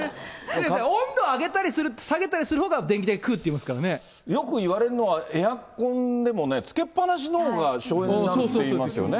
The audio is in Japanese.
温度を上げたり下げたりするほうが電気代くうって言いますかよくいわれるのは、エアコンでもね、つけっ放しのほうが省エネになるって言いますよね。